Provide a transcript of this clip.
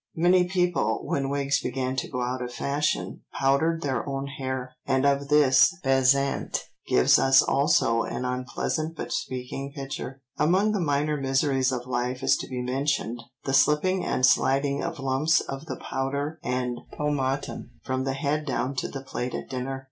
Many people, when wigs began to go out of fashion, powdered their own hair, and of this Besant gives us also an unpleasant but speaking picture: "Among the minor miseries of life is to be mentioned the slipping and sliding of lumps of the powder and pomatum from the head down to the plate at dinner."